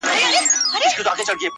ستا غزل به چا چاته خوښې ورکړي خو”